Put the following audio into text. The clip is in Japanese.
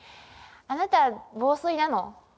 あなた防水なの？